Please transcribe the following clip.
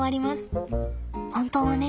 本当はね